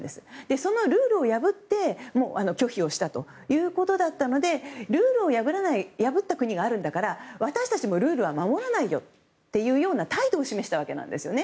そのルールを破って拒否をしたということだったのでルールを破った国があるんだから私たちもルールは守らないよというような態度を示したわけなんですね。